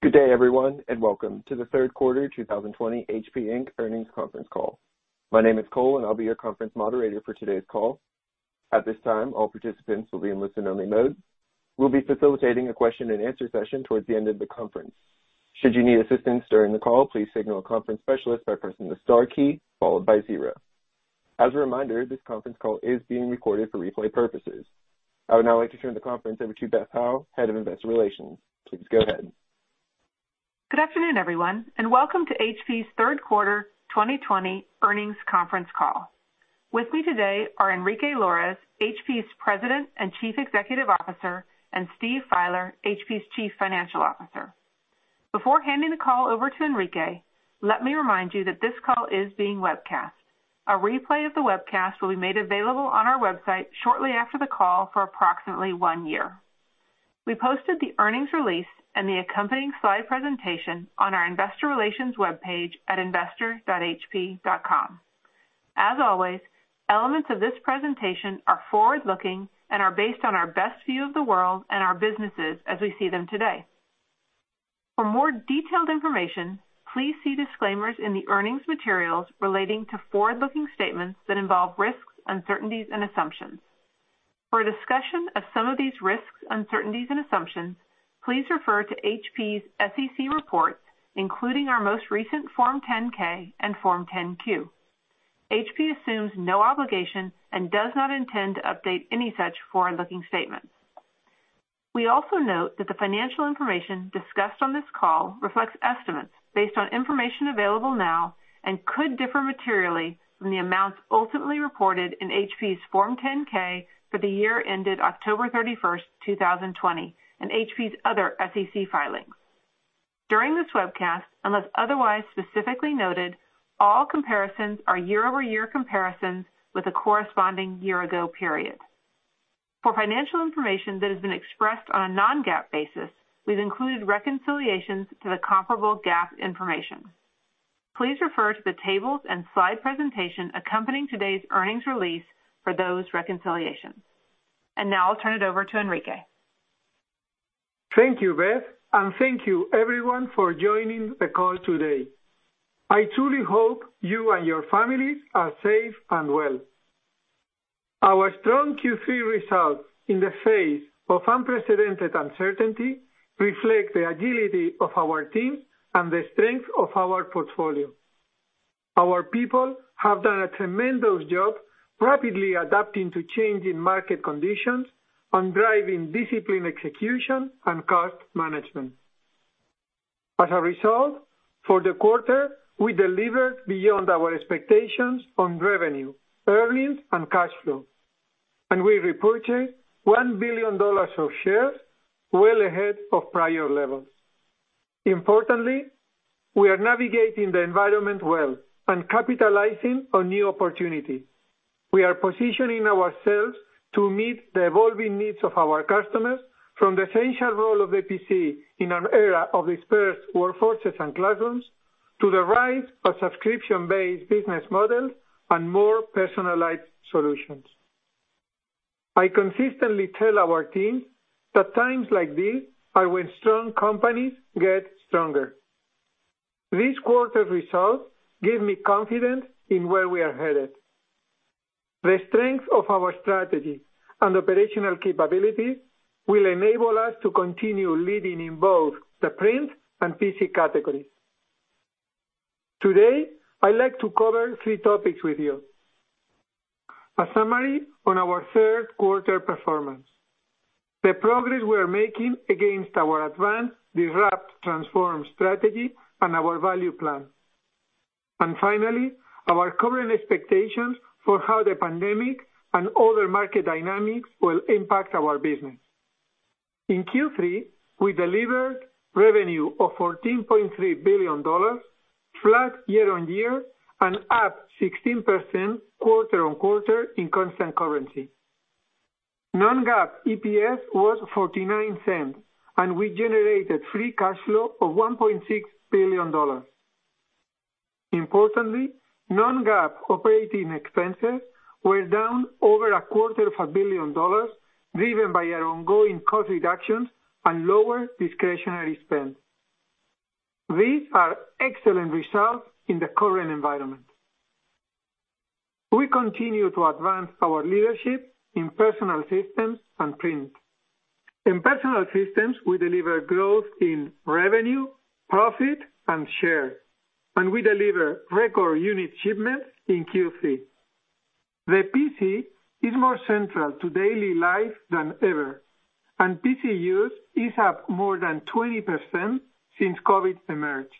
Good day, everyone, and welcome to the Third Quarter 2020 HP Inc. Earnings Conference Call. My name is Cole, and I'll be your conference moderator for today's call. At this time, all participants will be in listen-only mode. We'll be facilitating a question and answer session towards the end of the conference. Should you need assistance during the call, please signal a conference specialist by pressing the star key followed by zero. As a reminder, this conference call is being recorded for replay purposes. I would now like to turn the conference over to Beth Howe, Head of Investor Relations. Please go ahead. Good afternoon, everyone, and welcome to HP's Third Quarter 2020 Earnings Conference Call. With me today are Enrique Lores, HP's President and Chief Executive Officer, and Steve Fieler, HP's Chief Financial Officer. Before handing the call over to Enrique, let me remind you that this call is being webcast. A replay of the webcast will be made available on our website shortly after the call for approximately one year. We posted the earnings release and the accompanying slide presentation on our investor relations webpage at investor.hp.com. As always, elements of this presentation are forward-looking and are based on our best view of the world and our businesses as we see them today. For more detailed information, please see disclaimers in the earnings materials relating to forward-looking statements that involve risks, uncertainties, and assumptions. For a discussion of some of these risks, uncertainties, and assumptions, please refer to HP's SEC reports, including our most recent Form 10-K and Form 10-Q. HP assumes no obligation and does not intend to update any such forward-looking statements. We also note that the financial information discussed on this call reflects estimates based on information available now and could differ materially from the amounts ultimately reported in HP's Form 10-K for the year ended October 31st, 2020, and HP's other SEC filings. During this webcast, unless otherwise specifically noted, all comparisons are year-over-year comparisons with the corresponding year-ago period. For financial information that has been expressed on a non-GAAP basis, we've included reconciliations to the comparable GAAP information. Please refer to the tables and slide presentation accompanying today's earnings release for those reconciliations. Now I'll turn it over to Enrique. Thank you, Beth, thank you everyone for joining the call today. I truly hope you and your families are safe and well. Our strong Q3 results in the face of unprecedented uncertainty reflect the agility of our team and the strength of our portfolio. Our people have done a tremendous job rapidly adapting to changing market conditions and driving disciplined execution and cost management. As a result, for the quarter, we delivered beyond our expectations on revenue, earnings, and cash flow, and we repurchased $1 billion of shares well ahead of prior levels. Importantly, we are navigating the environment well and capitalizing on new opportunities. We are positioning ourselves to meet the evolving needs of our customers from the essential role of the PC in an era of dispersed workforces and classrooms to the rise of subscription-based business models and more personalized solutions. I consistently tell our team that times like these are when strong companies get stronger. This quarter's results give me confidence in where we are headed. The strength of our strategy and operational capabilities will enable us to continue leading in both the print and PC categories. Today, I'd like to cover three topics with you. A summary on our third quarter performance, the progress we are making against our Advance, Disrupt, Transform strategy, and our value plan. Finally, our current expectations for how the pandemic and other market dynamics will impact our business. In Q3, we delivered revenue of $14.3 billion, flat year-on-year and up 16% quarter-on-quarter in constant currency. Non-GAAP EPS was $0.49, and we generated free cash flow of $1.6 billion. Importantly, non-GAAP operating expenses were down over a $0.25 billion, driven by our ongoing cost reductions and lower discretionary spend. These are excellent results in the current environment. We continue to advance our leadership in Personal Systems and Print. In Personal Systems, we deliver growth in revenue, profit, and share, and we deliver record unit shipments in Q3. The PC is more central to daily life than ever, and PC use is up more than 20% since COVID emerged.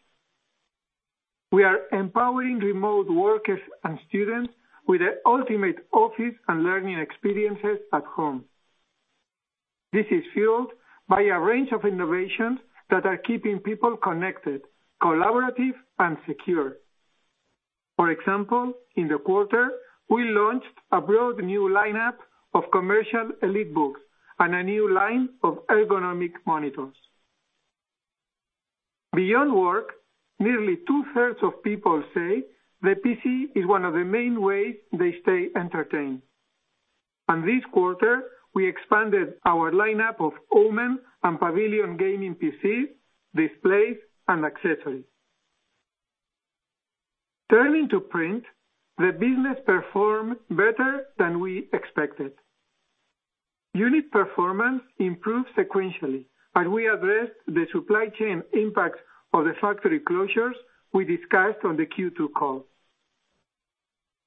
We are empowering remote workers and students with the ultimate office and learning experiences at home. This is fueled by a range of innovations that are keeping people connected, collaborative, and secure. For example, in the quarter, we launched a broad new lineup of commercial EliteBook and a new line of ergonomic monitors. Beyond work, nearly 2/3 of people say the PC is one of the main ways they stay entertained. This quarter, we expanded our lineup of OMEN and Pavilion gaming PCs, displays, and accessories. Turning to Print, the business performed better than we expected. Unit performance improved sequentially as we addressed the supply chain impacts of the factory closures we discussed on the Q2 call.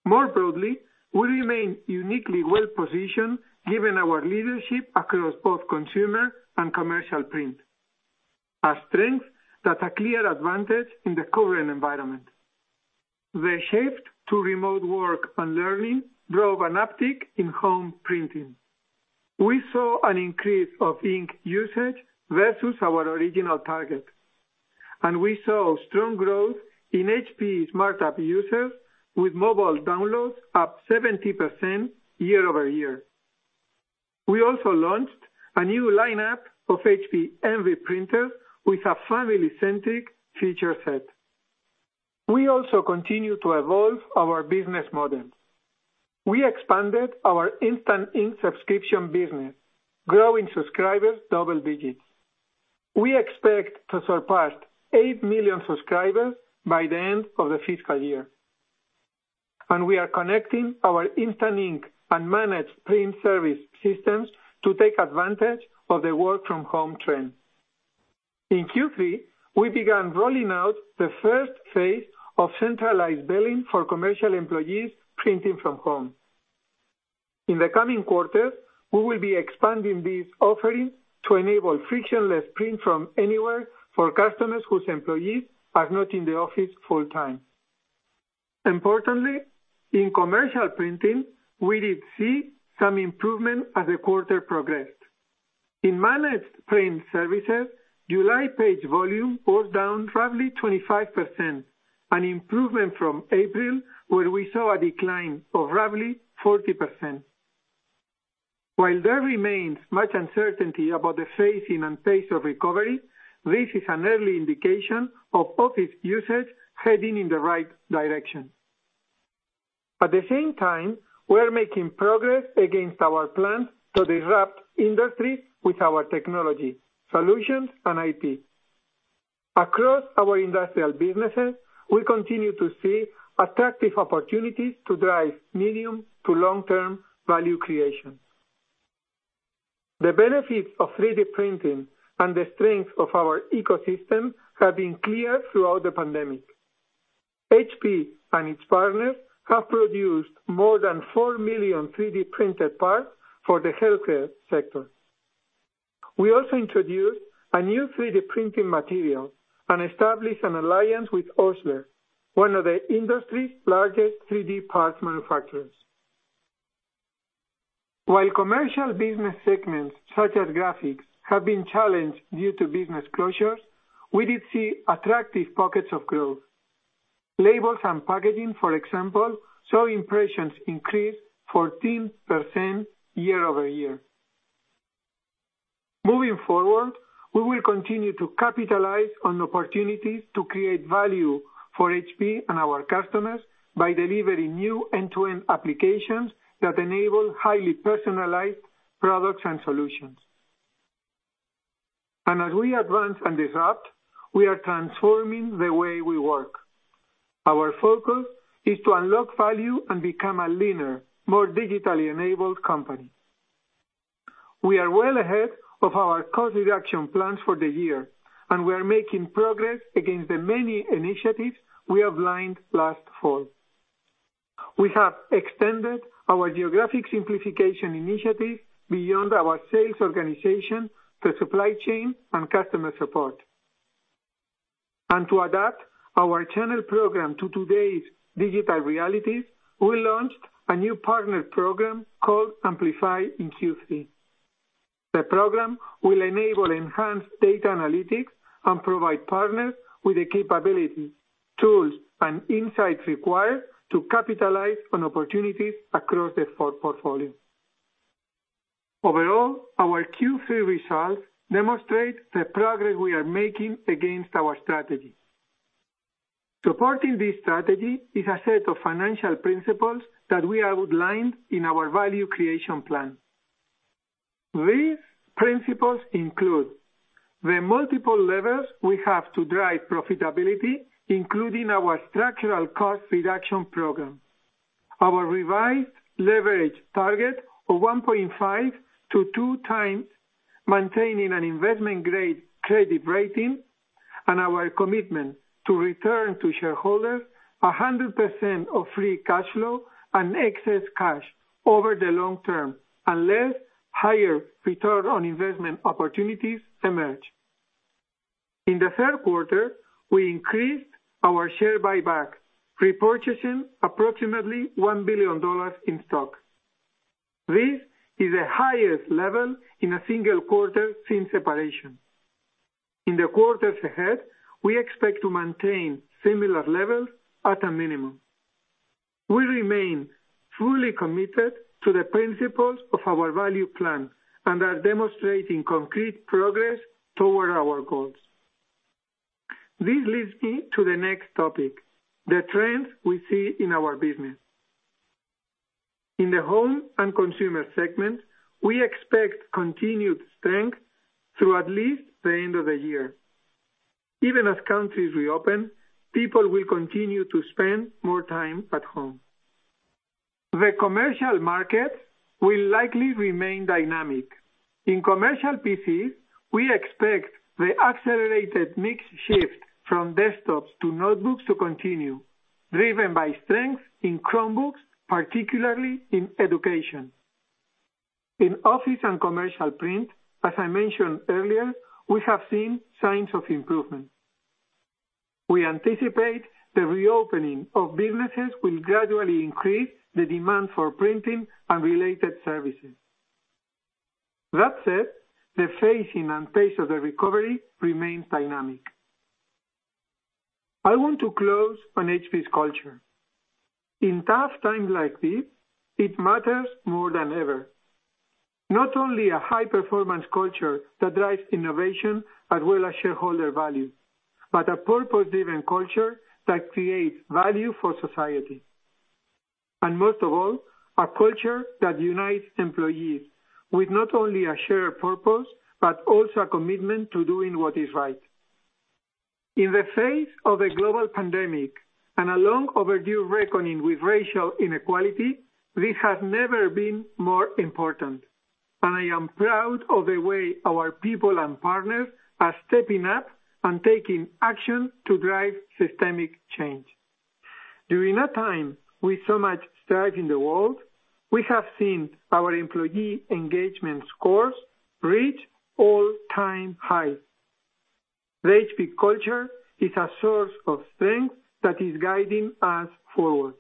More broadly, we remain uniquely well positioned given our leadership across both consumer and commercial print, a strength that's a clear advantage in the current environment. The shift to remote work and learning drove an uptick in home printing. We saw an increase of ink usage versus our original target, and we saw strong growth in HP Smart app users, with mobile downloads up 70% year-over-year. We also launched a new lineup of HP Envy printers with a family-centric feature set. We also continue to evolve our business model. We expanded our Instant Ink subscription business, growing subscribers double digits. We expect to surpass eight million subscribers by the end of the fiscal year, and we are connecting our Instant Ink and Managed Print Service systems to take advantage of the work from home trend. In Q3, we began rolling out the first phase of centralized billing for commercial employees printing from home. In the coming quarters, we will be expanding this offering to enable frictionless print from anywhere for customers whose employees are not in the office full time. Importantly, in commercial printing, we did see some improvement as the quarter progressed. In Managed Print Services, July page volume was down roughly 25%, an improvement from April, where we saw a decline of roughly 40%. While there remains much uncertainty about the phasing and pace of recovery, this is an early indication of office usage heading in the right direction. At the same time, we're making progress against our plans to disrupt industries with our technology, solutions, and IP. Across our industrial businesses, we continue to see attractive opportunities to drive medium to long-term value creation. The benefits of 3D printing and the strength of our ecosystem have been clear throughout the pandemic. HP and its partners have produced more than four million 3D-printed parts for the healthcare sector. We also introduced a new 3D printing material and established an alliance with OECHSLER, one of the industry's largest 3D parts manufacturers. While commercial business segments such as graphics have been challenged due to business closures, we did see attractive pockets of growth. Labels and packaging, for example, saw impressions increase 14% year-over-year. Moving forward, we will continue to capitalize on opportunities to create value for HP and our customers by delivering new end-to-end applications that enable highly personalized products and solutions. As we advance and disrupt, we are transforming the way we work. Our focus is to unlock value and become a leaner, more digitally enabled company. We are well ahead of our cost reduction plans for the year, and we are making progress against the many initiatives we outlined last fall. We have extended our geographic simplification initiative beyond our sales organization to supply chain and customer support. To adapt our channel program to today's digital realities, we launched a new partner program called Amplify in Q3. The program will enable enhanced data analytics and provide partners with the capability, tools, and insights required to capitalize on opportunities across the portfolio. Overall, our Q3 results demonstrate the progress we are making against our strategy. Supporting this strategy is a set of financial principles that we outlined in our value creation plan. These principles include the multiple levers we have to drive profitability, including our structural cost reduction program, our revised leverage target of 1.5x-2x, maintaining an investment-grade credit rating, and our commitment to return to shareholders 100% of free cash flow and excess cash over the long term, unless higher return on investment opportunities emerge. In the third quarter, we increased our share buyback, repurchasing approximately $1 billion in stock. This is the highest level in a single quarter since separation. In the quarters ahead, we expect to maintain similar levels at a minimum. We remain fully committed to the principles of our value plan and are demonstrating concrete progress toward our goals. This leads me to the next topic, the trends we see in our business. In the home and consumer segment, we expect continued strength through at least the end of the year. Even as countries reopen, people will continue to spend more time at home. The commercial market will likely remain dynamic. In commercial PC, we expect the accelerated mix shift from desktops to notebooks to continue, driven by strength in Chromebooks, particularly in education. In office and commercial print, as I mentioned earlier, we have seen signs of improvement. We anticipate the reopening of businesses will gradually increase the demand for printing and related services. That said, the phasing and pace of the recovery remains dynamic. I want to close on HP's culture. In tough times like this, it matters more than ever. Not only a high-performance culture that drives innovation as well as shareholder value, but a purpose-driven culture that creates value for society. Most of all, a culture that unites employees with not only a shared purpose, but also a commitment to doing what is right. In the face of a global pandemic, and a long overdue reckoning with racial inequality, this has never been more important, and I am proud of the way our people and partners are stepping up and taking action to drive systemic change. During a time with so much strife in the world, we have seen our employee engagement scores reach all-time high. The HP culture is a source of strength that is guiding us forward.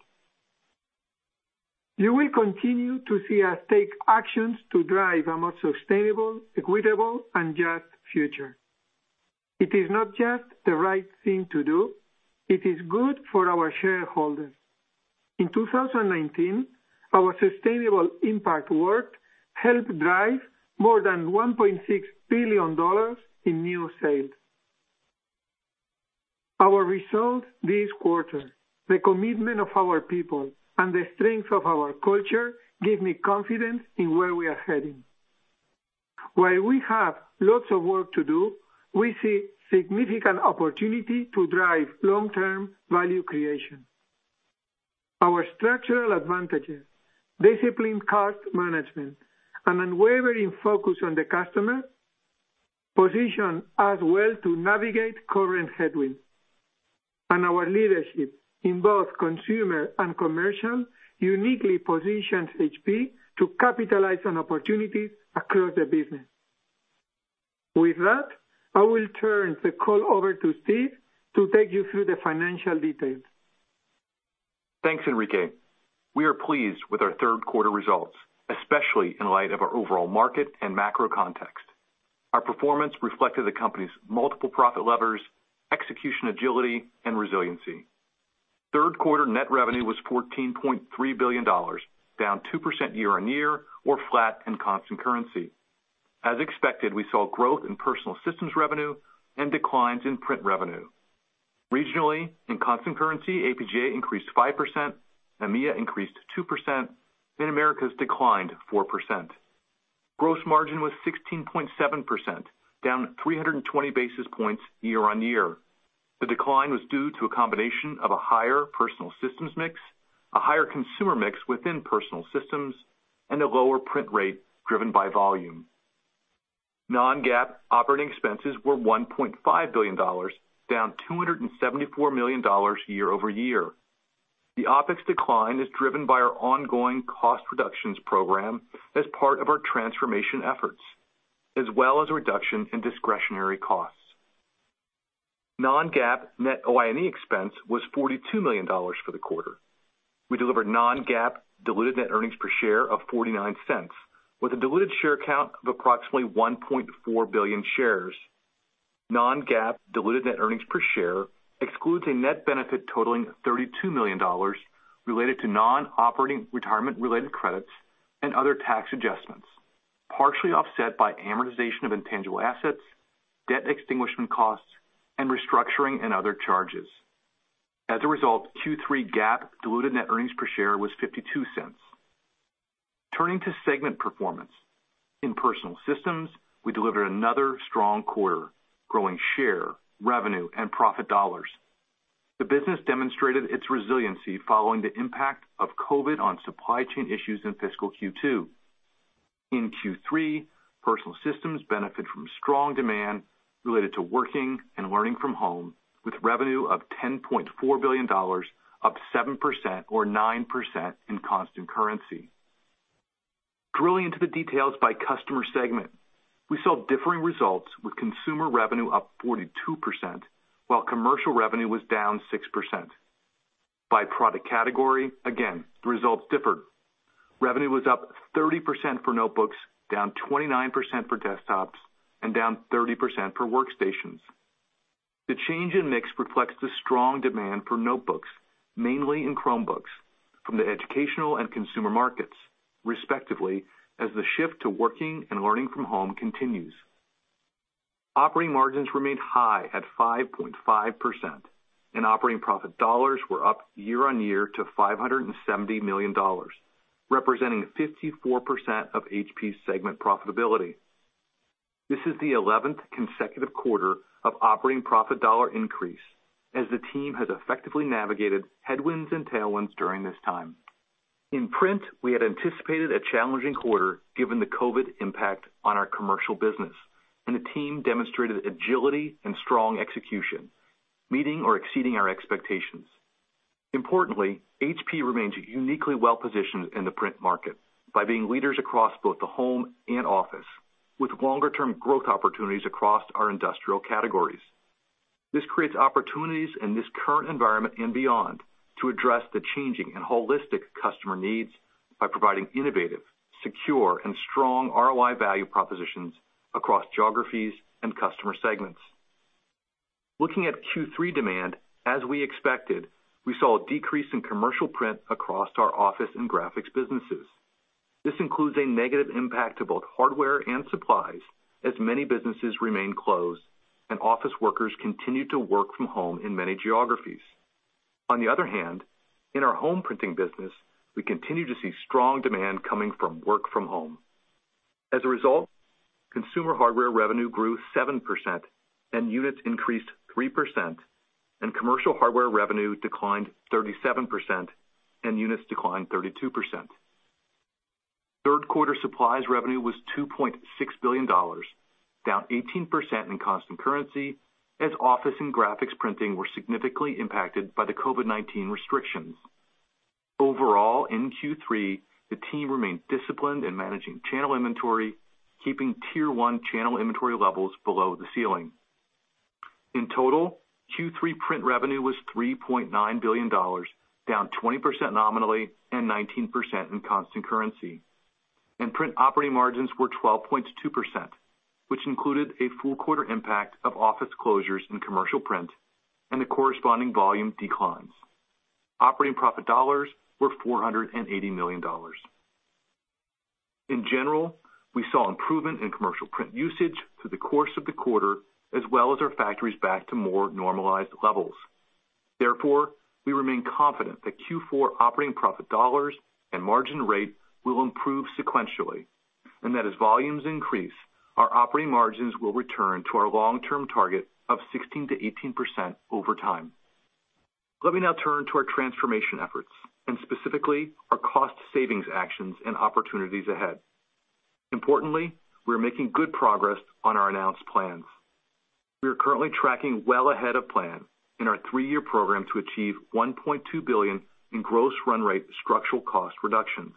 You will continue to see us take actions to drive a more sustainable, equitable, and just future. It is not just the right thing to do, it is good for our shareholders. In 2019, our sustainable impact work helped drive more than $1.6 billion in new sales. Our results this quarter, the commitment of our people, and the strength of our culture give me confidence in where we are heading. While we have lots of work to do, we see significant opportunity to drive long-term value creation. Our structural advantages, disciplined cost management, and unwavering focus on the customer position us well to navigate current headwinds. Our leadership in both consumer and commercial uniquely positions HP to capitalize on opportunities across the business. With that, I will turn the call over to Steve to take you through the financial details. Thanks, Enrique. We are pleased with our third quarter results, especially in light of our overall market and macro context. Our performance reflected the company's multiple profit levers, execution agility, resiliency. Third quarter net revenue was $14.3 billion, down 2% year-on-year or flat in constant currency. As expected, we saw growth in Personal Systems revenue and declines in Print revenue. Regionally, in constant currency, APJ increased 5%, EMEA increased 2%, and Americas declined 4%. Gross margin was 16.7%, down 320 basis points year-on-year. The decline was due to a combination of a higher Personal Systems mix, a higher consumer mix within Personal Systems, and a lower Print rate driven by volume. Non-GAAP operating expenses were $1.5 billion, down $274 million year over year. The OpEx decline is driven by our ongoing cost reductions program as part of our transformation efforts, as well as a reduction in discretionary costs. Non-GAAP net OIE expense was $42 million for the quarter. We delivered non-GAAP diluted net earnings per share of $0.49 with a diluted share count of approximately 1.4 billion shares. Non-GAAP diluted net earnings per share excludes a net benefit totaling $32 million related to non-operating retirement-related credits and other tax adjustments, partially offset by amortization of intangible assets, debt extinguishment costs, and restructuring and other charges. As a result, Q3 GAAP diluted net earnings per share was $0.52. Turning to segment performance. In Personal Systems, we delivered another strong quarter, growing share, revenue and profit dollars. The business demonstrated its resiliency following the impact of COVID on supply chain issues in fiscal Q2. In Q3, Personal Systems benefited from strong demand related to working and learning from home, with revenue of $10.4 billion, up 7% or 9% in constant currency. Drilling into the details by customer segment, we saw differing results with consumer revenue up 42%, while commercial revenue was down 6%. By product category, again, the results differed. Revenue was up 30% for notebooks, down 29% for desktops, and down 30% for workstations. The change in mix reflects the strong demand for notebooks, mainly in Chromebooks from the educational and consumer markets, respectively, as the shift to working and learning from home continues. Operating margins remained high at 5.5%, and operating profit dollars were up year-over-year to $570 million, representing 54% of HP's segment profitability. This is the 11th consecutive quarter of operating profit dollar increase as the team has effectively navigated headwinds and tailwinds during this time. In print, we had anticipated a challenging quarter given the COVID impact on our commercial business, and the team demonstrated agility and strong execution, meeting or exceeding our expectations. Importantly, HP remains uniquely well-positioned in the print market by being leaders across both the home and office, with longer-term growth opportunities across our industrial categories. This creates opportunities in this current environment and beyond to address the changing and holistic customer needs by providing innovative, secure, and strong ROI value propositions across geographies and customer segments. Looking at Q3 demand, as we expected, we saw a decrease in commercial print across our office and graphics businesses. This includes a negative impact to both hardware and supplies as many businesses remain closed and office workers continue to work from home in many geographies. On the other hand, in our home printing business, we continue to see strong demand coming from work from home. As a result, consumer hardware revenue grew 7% and units increased 3%, and commercial hardware revenue declined 37% and units declined 32%. Third quarter supplies revenue was $2.6 billion, down 18% in constant currency as office and graphics printing were significantly impacted by the COVID-19 restrictions. Overall, in Q3, the team remained disciplined in managing channel inventory, keeping Tier 1 channel inventory levels below the ceiling. In total, Q3 print revenue was $3.9 billion, down 20% nominally and 19% in constant currency, and Print operating margins were 12.2%, which included a full quarter impact of office closures in commercial print and the corresponding volume declines. Operating profit dollars were $480 million. In general, we saw improvement in commercial print usage through the course of the quarter as well as our factories back to more normalized levels. Therefore, we remain confident that Q4 operating profit dollars and margin rate will improve sequentially, and that as volumes increase, our operating margins will return to our long-term target of 16%-18% over time. Let me now turn to our transformation efforts, and specifically our cost savings actions and opportunities ahead. Importantly, we are making good progress on our announced plans. We are currently tracking well ahead of plan in our three-year program to achieve $1.2 billion in gross run rate structural cost reductions.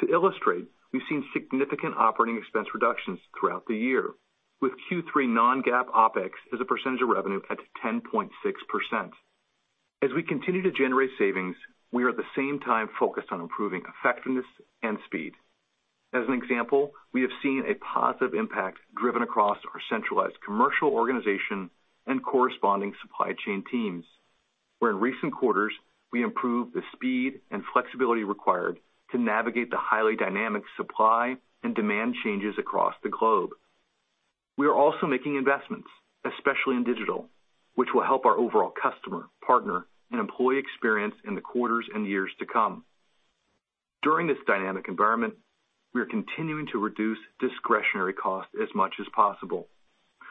To illustrate, we've seen significant operating expense reductions throughout the year with Q3 non-GAAP OpEx as a percentage of revenue at 10.6%. As we continue to generate savings, we are at the same time focused on improving effectiveness and speed. As an example, we have seen a positive impact driven across our centralized commercial organization and corresponding supply chain teams, where in recent quarters, we improved the speed and flexibility required to navigate the highly dynamic supply and demand changes across the globe. We are also making investments, especially in digital, which will help our overall customer, partner, and employee experience in the quarters and years to come. During this dynamic environment, we are continuing to reduce discretionary costs as much as possible.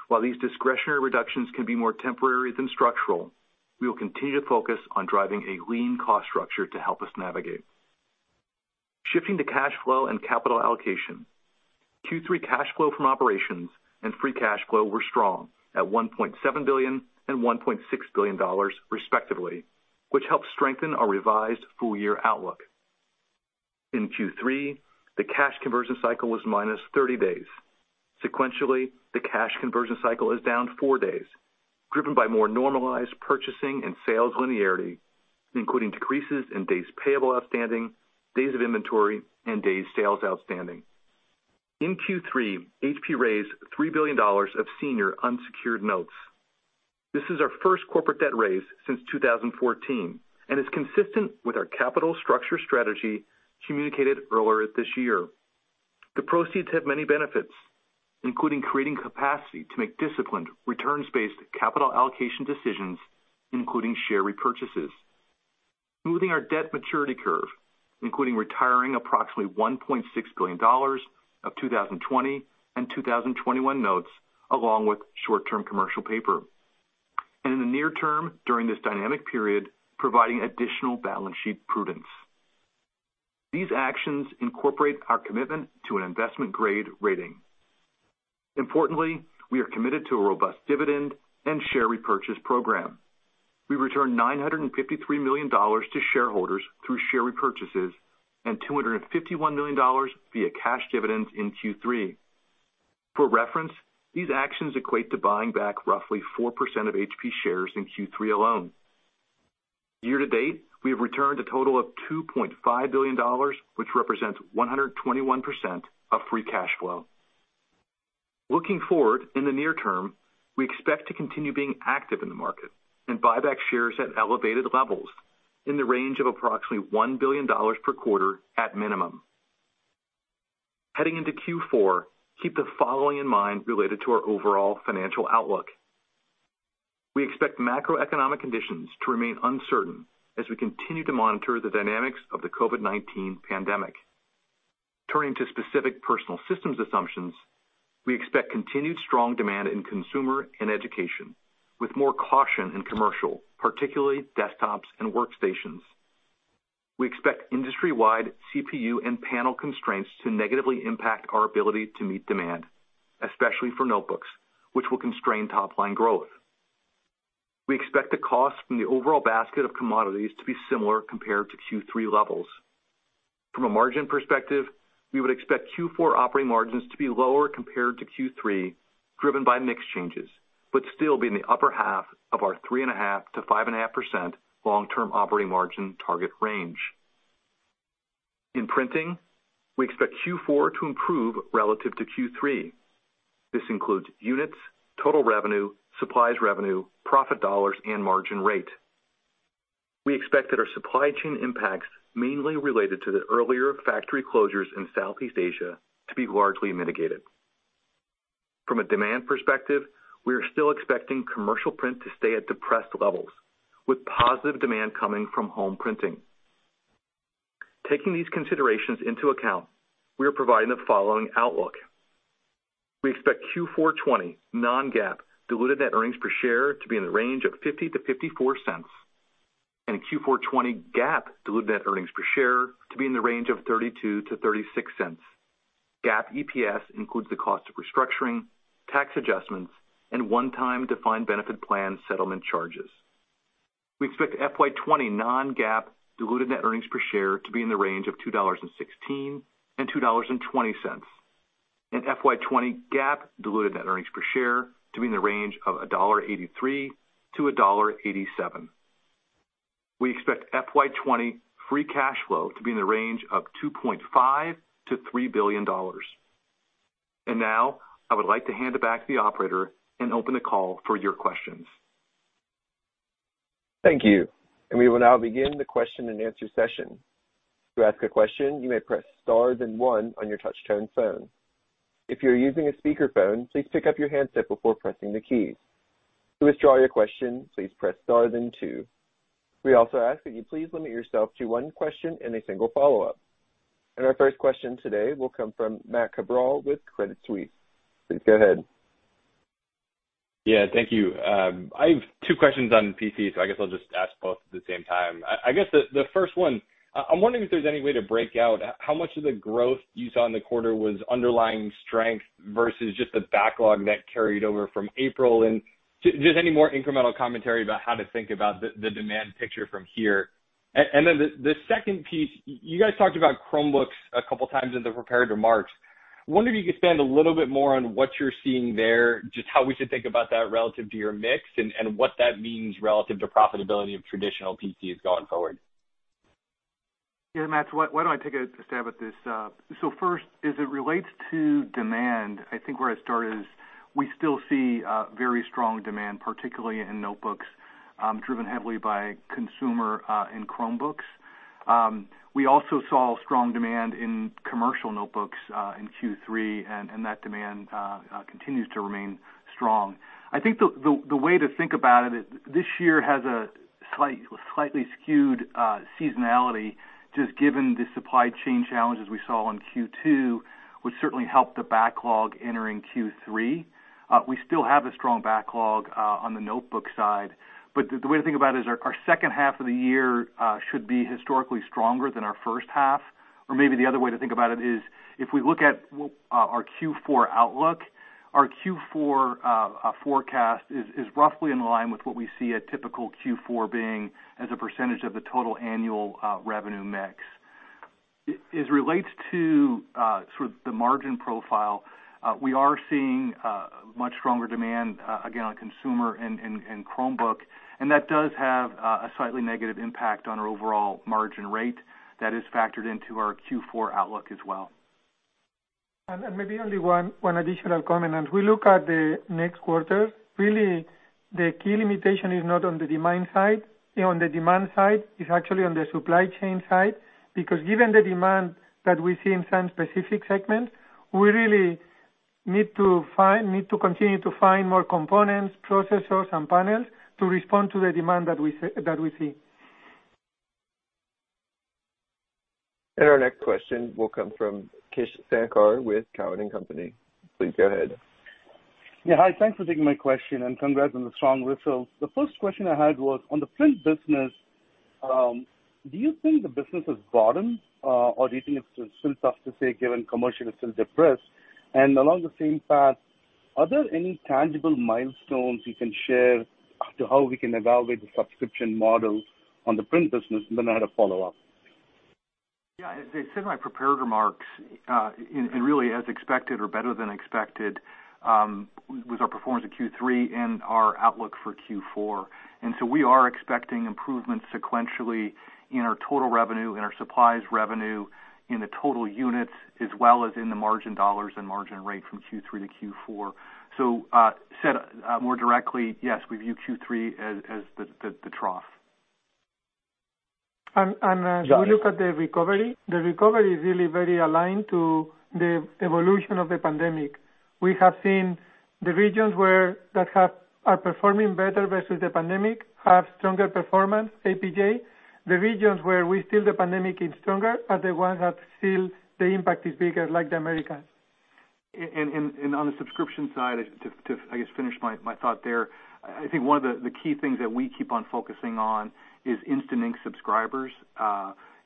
While these discretionary reductions can be more temporary than structural, we will continue to focus on driving a lean cost structure to help us navigate. Shifting to cash flow and capital allocation. Q3 cash flow from operations and free cash flow were strong at $1.7 billion and $1.6 billion respectively, which helped strengthen our revised full year outlook. In Q3, the cash conversion cycle was -30 days. Sequentially, the cash conversion cycle is down four days, driven by more normalized purchasing and sales linearity, including decreases in days payable outstanding, days of inventory, and days sales outstanding. In Q3, HP raised $3 billion of senior unsecured notes. This is our first corporate debt raise since 2014 and is consistent with our capital structure strategy communicated earlier this year. The proceeds have many benefits, including creating capacity to make disciplined returns-based capital allocation decisions, including share repurchases. Moving our debt maturity curve, including retiring approximately $1.6 billion of 2020 and 2021 notes along with short-term commercial paper, and in the near term, during this dynamic period, providing additional balance sheet prudence. These actions incorporate our commitment to an investment-grade rating. Importantly, we are committed to a robust dividend and share repurchase program. We returned $953 million to shareholders through share repurchases and $251 million via cash dividends in Q3. For reference, these actions equate to buying back roughly 4% of HP shares in Q3 alone. Year to date, we have returned a total of $2.5 billion, which represents 121% of free cash flow. Looking forward, in the near term, we expect to continue being active in the market and buy back shares at elevated levels in the range of approximately $1 billion per quarter at minimum. Heading into Q4, keep the following in mind related to our overall financial outlook. We expect macroeconomic conditions to remain uncertain as we continue to monitor the dynamics of the COVID-19 pandemic. Turning to specific Personal Systems assumptions, we expect continued strong demand in consumer and education, with more caution in commercial, particularly desktops and workstations. We expect industry-wide CPU and panel constraints to negatively impact our ability to meet demand, especially for notebooks, which will constrain top-line growth. We expect the cost from the overall basket of commodities to be similar compared to Q3 levels. From a margin perspective, we would expect Q4 operating margins to be lower compared to Q3, driven by mix changes, but still be in the upper half of our 3.5%-5.5% long-term operating margin target range. In Printing, we expect Q4 to improve relative to Q3. This includes units, total revenue, supplies revenue, profit dollars and margin rate. We expect that our supply chain impacts mainly related to the earlier factory closures in Southeast Asia to be largely mitigated. From a demand perspective, we are still expecting commercial print to stay at depressed levels, with positive demand coming from home printing. Taking these considerations into account, we are providing the following outlook. We expect Q4 2020 non-GAAP diluted net earnings per share to be in the range of $0.50-$0.54, and Q4 2020 GAAP diluted net earnings per share to be in the range of $0.32-$0.36. GAAP EPS includes the cost of restructuring, tax adjustments, and one-time defined benefit plan settlement charges. We expect FY 2020 non-GAAP diluted net earnings per share to be in the range of $2.16-$2.20, and FY 2020 GAAP diluted net earnings per share to be in the range of $1.83-$1.87. We expect FY 2020 free cash flow to be in the range of $2.5 billion-$3 billion. Now, I would like to hand it back to the operator and open the call for your questions. Thank you. We will now begin the question and answer session. To ask a question, you may press star then one on your touchtone phone. If you're using a speakerphone, please pick up your handset before pressing the key. To withdraw your question, please press star then two. We also ask that you please limit yourself to one question and a single follow-up. And our first question today will come from Matt Cabral with Credit Suisse. Please go ahead. Yeah, thank you. I've two questions on PC. I guess I'll just ask both at the same time. I guess the first one, I'm wondering if there's any way to break out how much of the growth you saw in the quarter was underlying strength versus just the backlog that carried over from April. Just any more incremental commentary about how to think about the demand picture from here. The second piece, you guys talked about Chromebooks a couple times in the prepared remarks. I wonder if you could expand a little bit more on what you're seeing there, just how we should think about that relative to your mix and what that means relative to profitability of traditional PCs going forward. Yeah, Matt, why don't I take a stab at this? First, as it relates to demand, I think where I'd start is we still see very strong demand, particularly in notebooks, driven heavily by consumer and Chromebooks. We also saw strong demand in commercial notebooks, in Q3, and that demand continues to remain strong. I think the way to think about it, this year has a slightly skewed seasonality, just given the supply chain challenges we saw in Q2, which certainly helped the backlog entering Q3. We still have a strong backlog on the notebook side, but the way to think about it is our second half of the year should be historically stronger than our first half. Maybe the other way to think about it is, if we look at our Q4 outlook, our Q4 forecast is roughly in line with what we see a typical Q4 being as a percentage of the total annual revenue mix. As it relates to sort of the margin profile, we are seeing much stronger demand, again, on consumer and Chromebook, and that does have a slightly negative impact on our overall margin rate that is factored into our Q4 outlook as well. Maybe only one additional comment. As we look at the next quarter, really, the key limitation is not on the demand side. On the demand side, it is actually on the supply chain side. Given the demand that we see in some specific segments, we really need to continue to find more components, processors, and panels to respond to the demand that we see. Our next question will come from Krish Sankar with Cowen and Company. Please go ahead. Yeah. Hi, thanks for taking my question, and congrats on the strong results. The first question I had was on the Print business. Do you think the business has bottomed, or do you think it's still tough to say, given commercial is still depressed? Along the same path, are there any tangible milestones you can share as to how we can evaluate the subscription models on the Print business? Then I had a follow-up. Yeah. As I said in my prepared remarks, really as expected or better than expected, was our performance in Q3 and our outlook for Q4. We are expecting improvements sequentially in our total revenue, in our supplies revenue, in the total units, as well as in the margin dollars and margin rate from Q3-Q4. Said more directly, yes, we view Q3 as the trough. As we look at the recovery, the recovery is really very aligned to the evolution of the pandemic. We have seen the regions that are performing better versus the pandemic have stronger performance, APJ. The regions where we feel the pandemic is stronger are the ones that still the impact is bigger, like the Americas. On the subscription side, to, I guess, finish my thought there, I think one of the key things that we keep on focusing on is Instant Ink subscribers.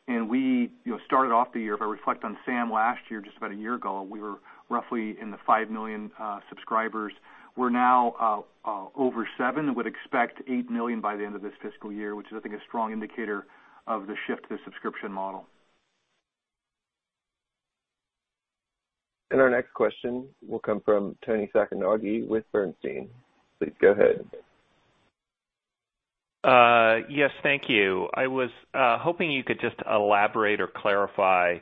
We started off the year, if I reflect on SAM last year, just about a year ago, we were roughly in the five million subscribers. We're now over seven million, would expect eight million by the end of this fiscal year, which is, I think, a strong indicator of the shift to the subscription model. Our next question will come from Toni Sacconaghi with Bernstein. Please go ahead. Yes. Thank you. I was hoping you could just elaborate or clarify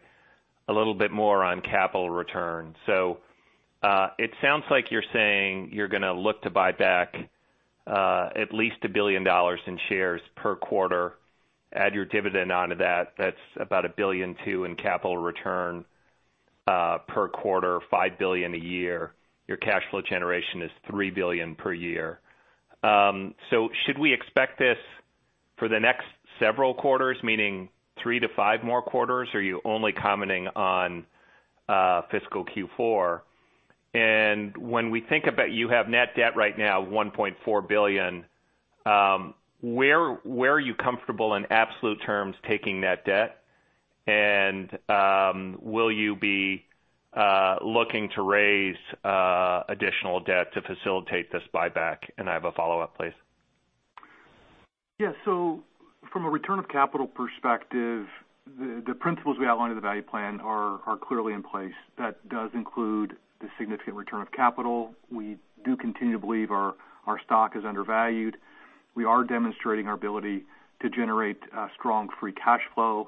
a little bit more on capital return. It sounds like you're saying you're going to look to buy back at least $1 billion in shares per quarter, add your dividend onto that. That's about $1.2 billion in capital return per quarter, $5 billion a year. Your cash flow generation is $3 billion per year. Should we expect this for the next several quarters, meaning 3-5 more quarters? Or are you only commenting on fiscal Q4? When we think about you have net debt right now, $1.4 billion, where are you comfortable in absolute terms taking net debt? Will you be looking to raise additional debt to facilitate this buyback? I have a follow-up, please. From a return of capital perspective, the principles we outlined in the value plan are clearly in place. That does include the significant return of capital. We do continue to believe our stock is undervalued. We are demonstrating our ability to generate strong free cash flow.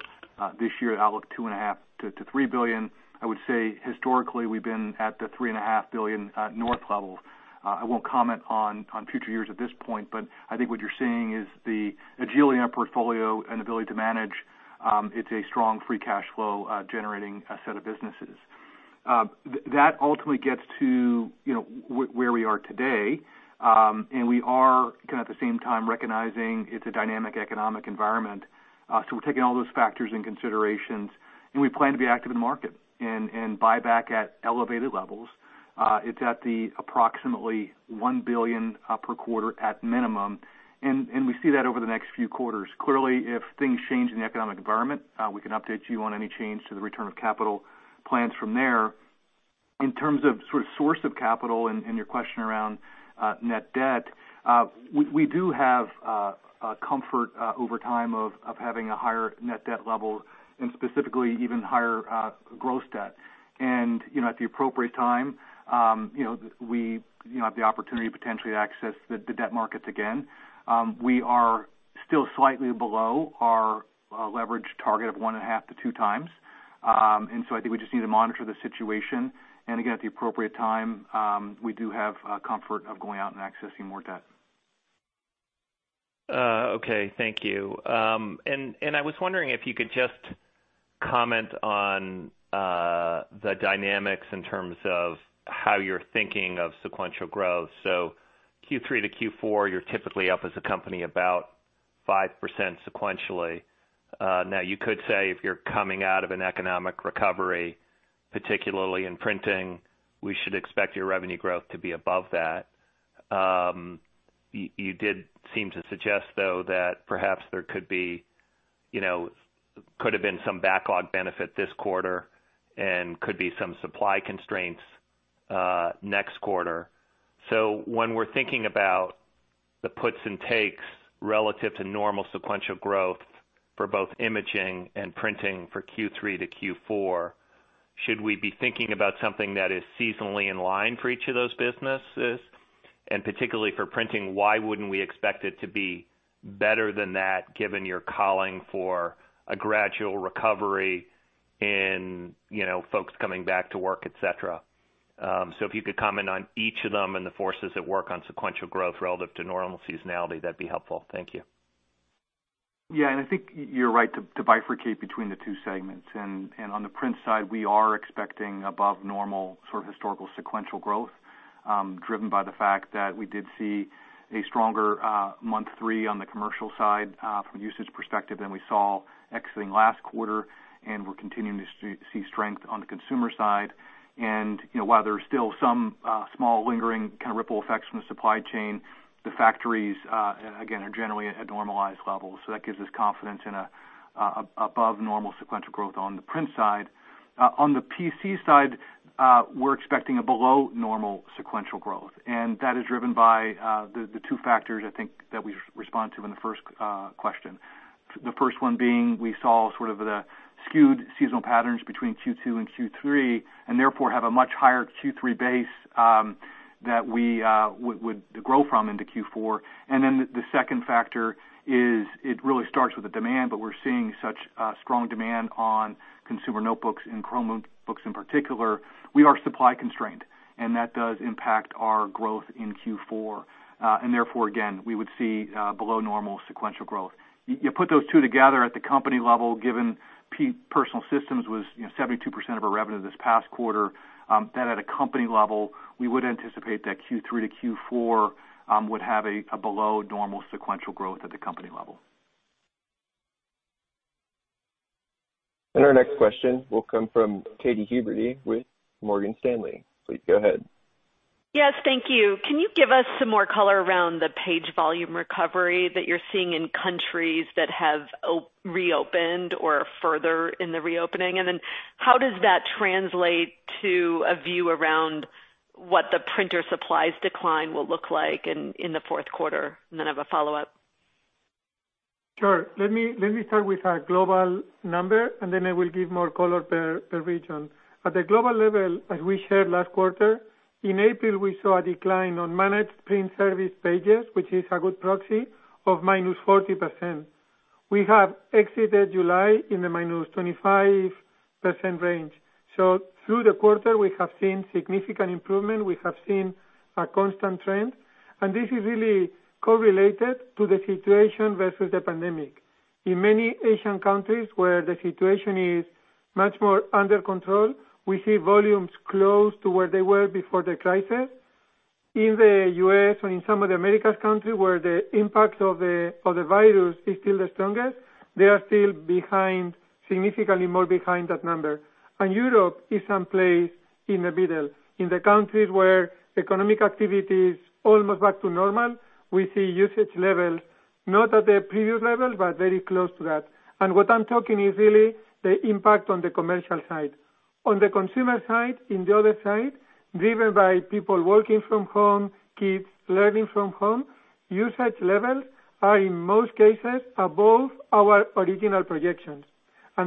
This year, outlook $2.5 billion-$3 billion. I would say historically, we've been at the $3.5 billion north level. I won't comment on future years at this point, I think what you're seeing is the agility in our portfolio and ability to manage. It's a strong free cash flow generating set of businesses. That ultimately gets to where we are today. We are kind of at the same time recognizing it's a dynamic economic environment. We're taking all those factors into consideration, and we plan to be active in the market and buy back at elevated levels. It's at the approximately $1 billion per quarter at minimum, and we see that over the next few quarters. Clearly, if things change in the economic environment, we can update you on any change to the return of capital plans from there. In terms of source of capital and your question around net debt, we do have comfort over time of having a higher net debt level and specifically even higher gross debt. At the appropriate time, we have the opportunity to potentially access the debt markets again. We are still slightly below our leverage target of 1.5x-2x. I think we just need to monitor the situation. Again, at the appropriate time, we do have comfort of going out and accessing more debt. Okay. Thank you. I was wondering if you could just comment on the dynamics in terms of how you're thinking of sequential growth. Q3-Q4, you're typically up as a company about 5% sequentially. You could say if you're coming out of an economic recovery, particularly in Printing, we should expect your revenue growth to be above that. You did seem to suggest, though, that perhaps there could have been some backlog benefit this quarter and could be some supply constraints next quarter. When we're thinking about the puts and takes relative to normal sequential growth for both imaging and printing for Q3-Q4, should we be thinking about something that is seasonally in line for each of those businesses? Particularly for Printing, why wouldn't we expect it to be better than that, given your calling for a gradual recovery in folks coming back to work, et cetera? If you could comment on each of them and the forces at work on sequential growth relative to normal seasonality, that'd be helpful. Thank you. Yeah, I think you're right to bifurcate between the two segments. On the Print side, we are expecting above normal sort of historical sequential growth, driven by the fact that we did see a stronger month three on the commercial side from a usage perspective than we saw exiting last quarter, and we're continuing to see strength on the consumer side. While there's still some small lingering kind of ripple effects from the supply chain, the factories, again, are generally at normalized levels. That gives us confidence in above normal sequential growth on the print side. On the PC side, we're expecting a below normal sequential growth, and that is driven by the two factors, I think that we responded to in the first question. The first one being we saw sort of the skewed seasonal patterns between Q2 and Q3, and therefore have a much higher Q3 base that we would grow from into Q4. The second factor is it really starts with the demand, but we're seeing such strong demand on consumer notebooks and Chromebooks in particular. We are supply constrained, and that does impact our growth in Q4. Therefore, again, we would see below normal sequential growth. You put those two together at the company level, given Personal Systems was 72% of our revenue this past quarter, then at a company level, we would anticipate that Q3-Q4 would have a below normal sequential growth at the company level. Our next question will come from Katy Huberty with Morgan Stanley. Please go ahead. Yes, thank you. Can you give us some more color around the page volume recovery that you're seeing in countries that have reopened or further in the reopening? How does that translate to a view around what the printer supplies decline will look like in the fourth quarter? I have a follow-up. Sure. Let me start with our global number, then I will give more color per region. At the global level, as we shared last quarter, in April, we saw a decline on Managed Print Service pages, which is a good proxy of -40%. We have exited July in the -25% range. Through the quarter, we have seen significant improvement. We have seen a constant trend, and this is really correlated to the situation versus the pandemic. In many Asian countries where the situation is much more under control, we see volumes close to where they were before the crisis. In the U.S. or in some of the Americas country, where the impact of the virus is still the strongest, they are still significantly more behind that number. Europe is someplace in the middle. In the countries where economic activity is almost back to normal, we see usage levels, not at the previous level, but very close to that. What I'm talking is really the impact on the commercial side. On the consumer side, in the other side, driven by people working from home, kids learning from home, usage levels are, in most cases, above our original projections.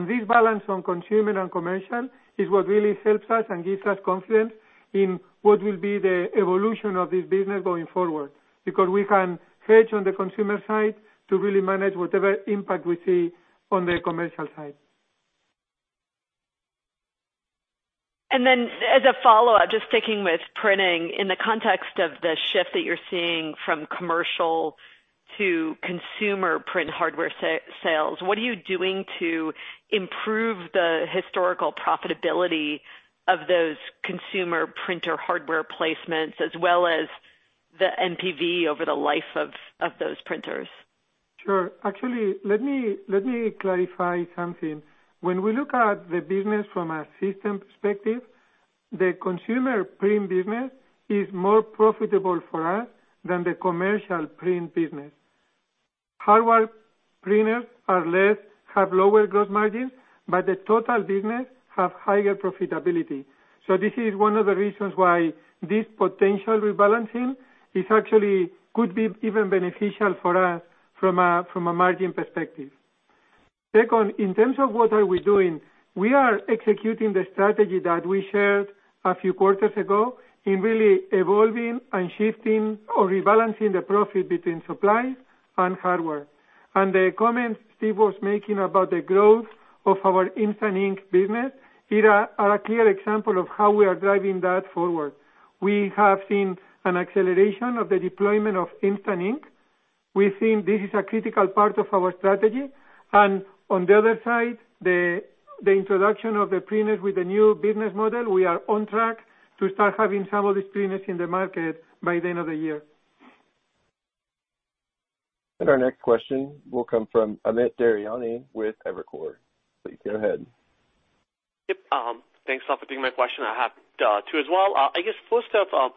This balance on consumer and commercial is what really helps us and gives us confidence in what will be the evolution of this business going forward. Because we can hedge on the consumer side to really manage whatever impact we see on the commercial side. And then as a follow-up, just sticking with Printing, in the context of the shift that you're seeing from commercial to consumer print hardware sales, what are you doing to improve the historical profitability of those consumer printer hardware placements as well as the NPV over the life of those printers? Sure. Actually, let me clarify something. When we look at the business from a system perspective, the consumer print business is more profitable for us than the commercial print business. Hardware printers have lower gross margins, but the total business have higher profitability. This is one of the reasons why this potential rebalancing is actually could be even beneficial for us from a margin perspective. Second, in terms of what are we doing, we are executing the strategy that we shared a few quarters ago in really evolving and shifting or rebalancing the profit between supplies and hardware. The comments Steve was making about the growth of our Instant Ink business is a clear example of how we are driving that forward. We have seen an acceleration of the deployment of Instant Ink. We think this is a critical part of our strategy. And on the other side, the introduction of the printers with the new business model, we are on track to start having some of these printers in the market by the end of the year. Our next question will come from Amit Daryanani with Evercore. Please go ahead. Yep. Thanks a lot for taking my question. I have two as well. I guess first off,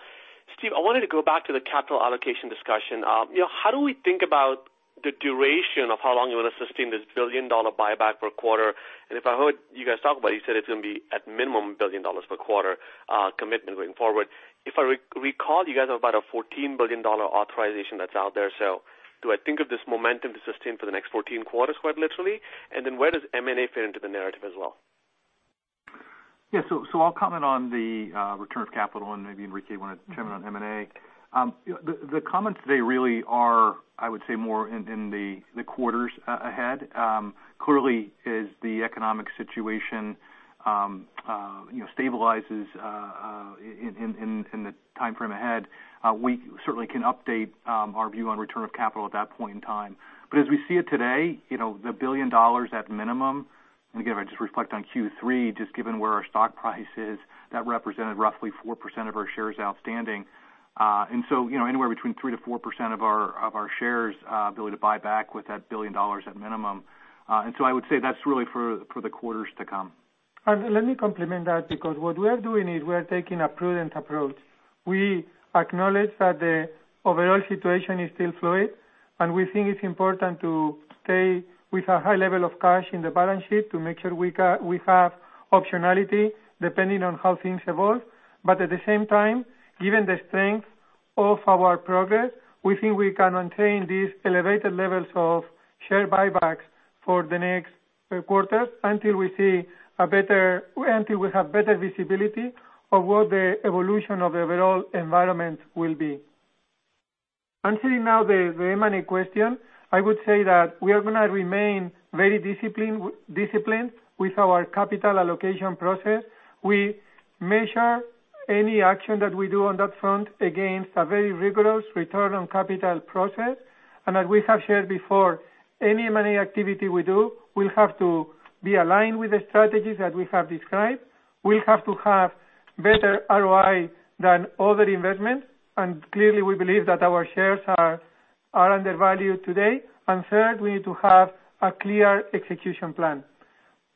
Steve, I wanted to go back to the capital allocation discussion. How do we think about the duration of how long you want to sustain this billion-dollar buyback per quarter? If I heard you guys talk about it, you said it's going to be at minimum a $1 billion per quarter commitment going forward. If I recall, you guys have about a $14 billion authorization that's out there. Do I think of this momentum to sustain for the next 14 quarters, quite literally? Where does M&A fit into the narrative as well? I'll comment on the return of capital and maybe Enrique want to chime in on M&A. The comments today really are, I would say, more in the quarters ahead. Clearly, as the economic situation stabilizes in the timeframe ahead, we certainly can update our view on return of capital at that point in time. As we see it today, the $1 billion at minimum, and again, I just reflect on Q3, just given where our stock price is, that represented roughly 4% of our shares outstanding. Anywhere between 3%-4% of our shares ability to buy back with that $1 billion at minimum. I would say that's really for the quarters to come. Let me complement that because what we are doing is we are taking a prudent approach. We acknowledge that the overall situation is still fluid, and we think it's important to stay with a high level of cash in the balance sheet to make sure we have optionality depending on how things evolve. But at the same time, given the strength of our progress, we think we can maintain these elevated levels of share buybacks for the next quarters until we have better visibility of what the evolution of the overall environment will be. Answering now the M&A question, I would say that we are going to remain very disciplined with our capital allocation process. We measure any action that we do on that front against a very rigorous return on capital process. And as we have shared before, any M&A activity we do will have to be aligned with the strategies that we have described. We have to have better ROI than other investments, and clearly, we believe that our shares are undervalued today. Third, we need to have a clear execution plan.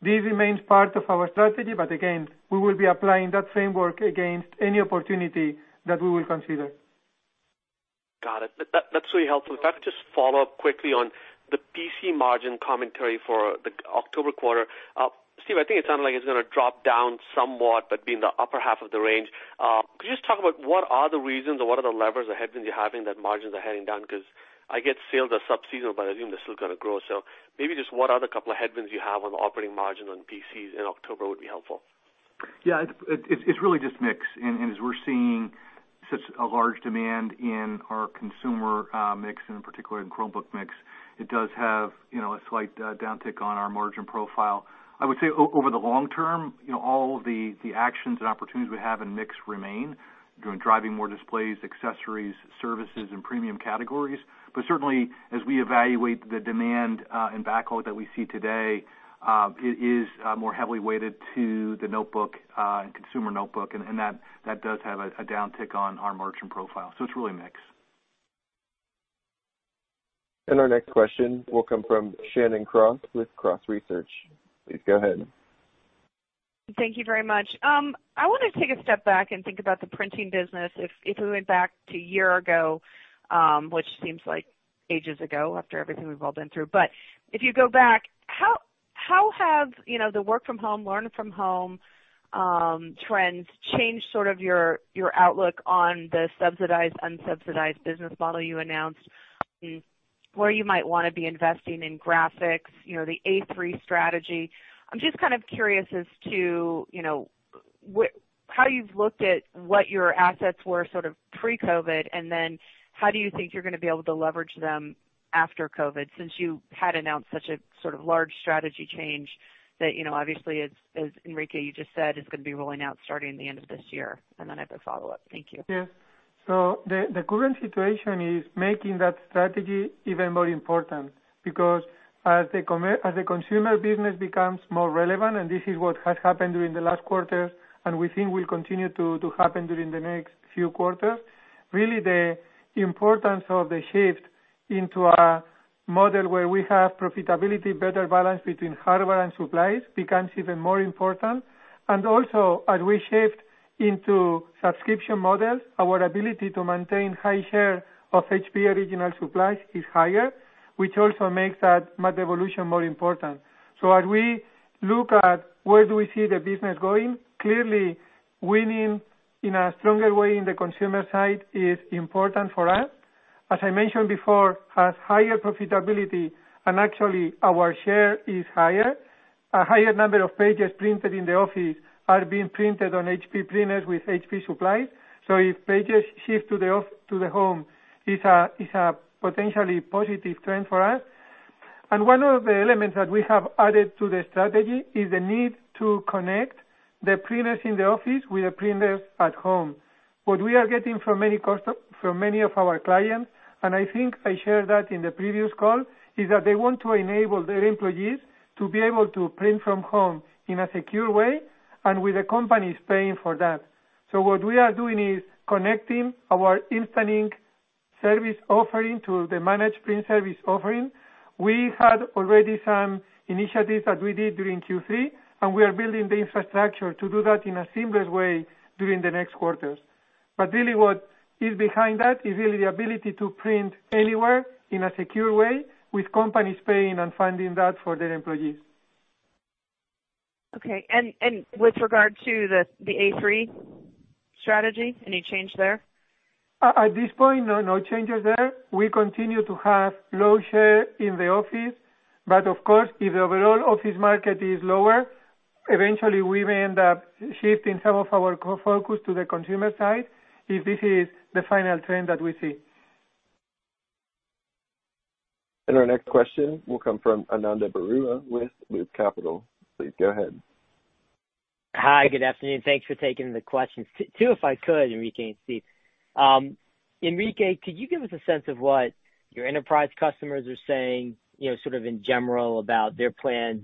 This remains part of our strategy, but again, we will be applying that framework against any opportunity that we will consider. Got it. That's really helpful. If I could just follow up quickly on the PC margin commentary for the October quarter. Steve, I think it sounded like it's going to drop down somewhat, but be in the upper half of the range. Could you just talk about what are the reasons or what are the levers or headwinds you're having that margins are heading down? Because I get sales are sub-seasonal, but I assume they're still going to grow. Maybe just what are the couple of headwinds you have on operating margin on PCs in October would be helpful. Yeah. It's really just mix. As we're seeing such a large demand in our consumer mix, and particularly in Chromebook mix, it does have a slight downtick on our margin profile. I would say over the long term, all of the actions and opportunities we have in mix remain, driving more displays, accessories, services, and premium categories. Certainly, as we evaluate the demand and backload that we see today, it is more heavily weighted to the notebook and consumer notebook, and that does have a downtick on our margin profile. It's really mix. Our next question will come from Shannon Cross with Cross Research. Please go ahead. Thank you very much. I want to take a step back and think about the Printing business. If we went back to a year ago, which seems like ages ago after everything we've all been through. If you go back, how have the work from home, learn from home trends changed sort of your outlook on the subsidized/unsubsidized business model you announced, where you might want to be investing in graphics, the A3 strategy? I'm just kind of curious as to how you've looked at what your assets were sort of pre-COVID, and then how do you think you're going to be able to leverage them after COVID, since you had announced such a sort of large strategy change that obviously, as Enrique, you just said, is going to be rolling out starting the end of this year. Then I have a follow-up. Thank you. Yes. The current situation is making that strategy even more important because as the consumer business becomes more relevant, and this is what has happened during the last quarter, and we think will continue to happen during the next few quarters. Really, the importance of the shift into a model where we have profitability better balanced between hardware and supplies becomes even more important. Also, as we shift into subscription models, our ability to maintain high share of HP original supplies is higher, which also makes that evolution more important. As we look at where do we see the business going, clearly winning in a stronger way in the consumer side is important for us. As I mentioned before, has higher profitability and actually our share is higher. A higher number of pages printed in the office are being printed on HP printers with HP supplies. If pages shift to the home, it's a potentially positive trend for us. One of the elements that we have added to the strategy is the need to connect the printers in the office with the printers at home. What we are getting from many of our clients, and I think I shared that in the previous call, is that they want to enable their employees to be able to print from home in a secure way and with the companies paying for that. What we are doing is connecting our Instant Ink service offering to the Managed Print Service offering. We had already some initiatives that we did during Q3, and we are building the infrastructure to do that in a seamless way during the next quarters. But really what is behind that is really the ability to print anywhere in a secure way with companies paying and funding that for their employees. Okay. With regard to the A3 strategy, any change there? At this point, no changes there. We continue to have low share in the office, but of course, if the overall office market is lower, eventually we may end up shifting some of our core focus to the consumer side if this is the final trend that we see. Our next question will come from Ananda Baruah with Loop Capital. Please go ahead. Hi, good afternoon. Thanks for taking the questions. Two, if I could, Enrique and Steve. Enrique, could you give us a sense of what your enterprise customers are saying, sort of in general, about their plans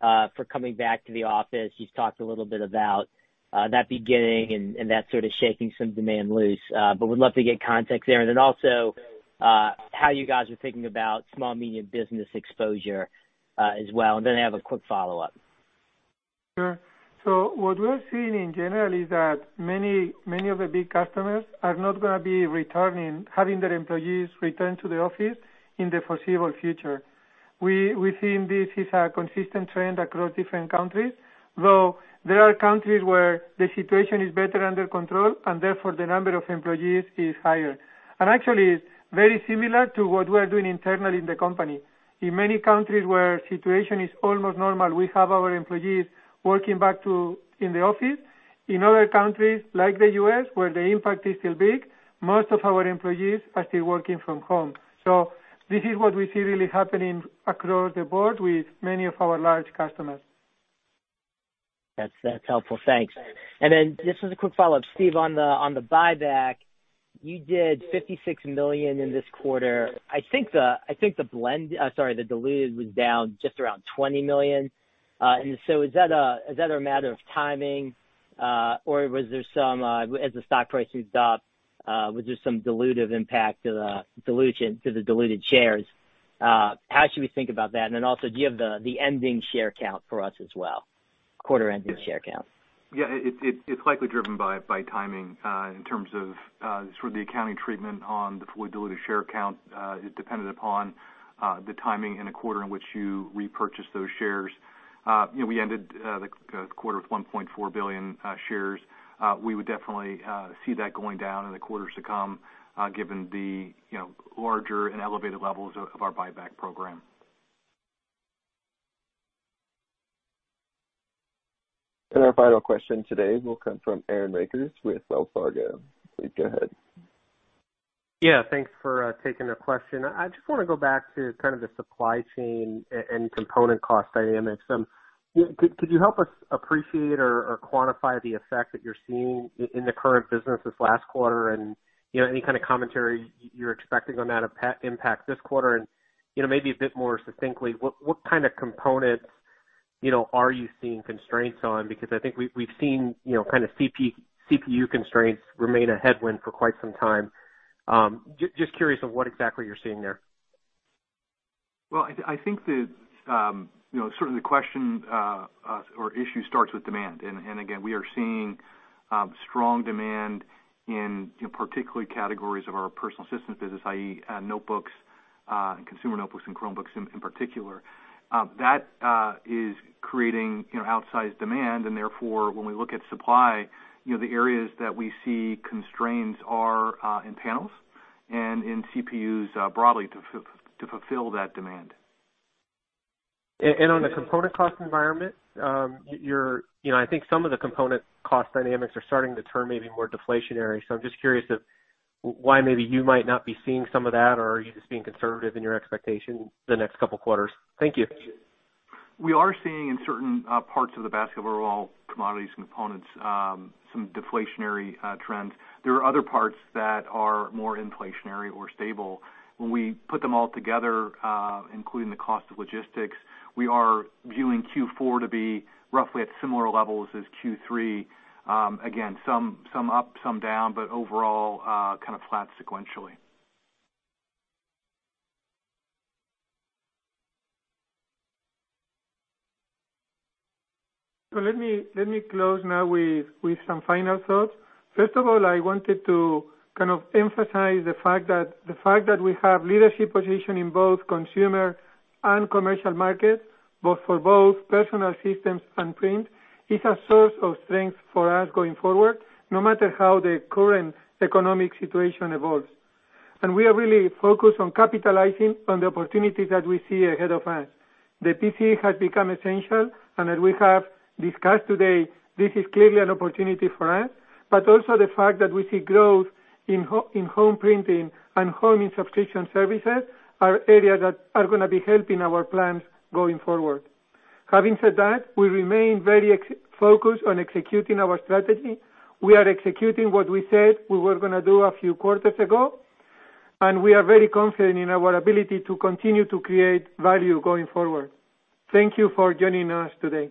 for coming back to the office? You've talked a little bit about that beginning and that sort of shaking some demand loose. Would love to get context there. Also, how you guys are thinking about small, medium business exposure as well. I have a quick follow-up. Sure. What we are seeing in general is that many of the big customers are not going to be having their employees return to the office in the foreseeable future. We've seen this is a consistent trend across different countries, though there are countries where the situation is better under control, and therefore, the number of employees is higher. Actually, it's very similar to what we are doing internally in the company. In many countries where situation is almost normal, we have our employees working back in the office. In other countries, like the U.S., where the impact is still big, most of our employees are still working from home. This is what we see really happening across the board with many of our large customers. That's helpful. Thanks. Just as a quick follow-up, Steve, on the buyback, you did 56 million in this quarter. I think the blend, sorry, the diluted was down just around 20 million. Is that a matter of timing? As the stock price moves up, was there some dilutive impact to the dilution to the diluted shares? How should we think about that? Also, do you have the ending share count for us as well? Quarter ending share count. Yeah. It's likely driven by timing, in terms of sort of the accounting treatment on the fully diluted share count. It depended upon the timing in a quarter in which you repurchase those shares. We ended the quarter with 1.4 billion shares. We would definitely see that going down in the quarters to come, given the larger and elevated levels of our buyback program. Our final question today will come from Aaron Rakers with Wells Fargo. Please go ahead. Yeah. Thanks for taking the question. I just want to go back to kind of the supply chain and component cost dynamics. Could you help us appreciate or quantify the effect that you're seeing in the current business this last quarter and any kind of commentary you're expecting on that impact this quarter? Maybe a bit more succinctly, what kind of components are you seeing constraints on? I think we've seen kind of CPU constraints remain a headwind for quite some time. Just curious on what exactly you're seeing there. Well, I think that sort of the question or issue starts with demand. Again, we are seeing strong demand in particularly categories of our Personal Systems business, i.e., notebooks and consumer notebooks and Chromebooks in particular. That is creating outsized demand, and therefore, when we look at supply, the areas that we see constraints are in panels and in CPUs broadly to fulfill that demand. On the component cost environment, I think some of the component cost dynamics are starting to turn maybe more deflationary. I'm just curious why maybe you might not be seeing some of that, or are you just being conservative in your expectation the next couple of quarters? Thank you. We are seeing in certain parts of the basket of overall commodities and components some deflationary trends. There are other parts that are more inflationary or stable. When we put them all together, including the cost of logistics, we are viewing Q4 to be roughly at similar levels as Q3. Again, some up, some down, but overall kind of flat sequentially. Let me close now with some final thoughts. First of all, I wanted to kind of emphasize the fact that we have leadership position in both consumer and commercial markets, both for both Personal Systems and Print, is a source of strength for us going forward, no matter how the current economic situation evolves. We are really focused on capitalizing on the opportunities that we see ahead of us. The PC has become essential, and as we have discussed today, this is clearly an opportunity for us. Also the fact that we see growth in home printing and home and subscription services are areas that are going to be helping our plans going forward. Having said that, we remain very focused on executing our strategy. We are executing what we said we were going to do a few quarters ago, and we are very confident in our ability to continue to create value going forward. Thank you for joining us today.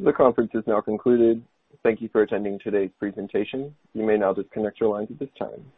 The conference is now concluded. Thank you for attending today's presentation. You may now disconnect your lines at this time.